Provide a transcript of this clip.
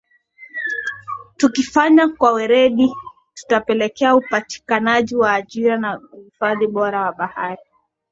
Tukifanya kwa weredi kutapelekea upatikanaji wa ajira na uhifadhi bora wa bahari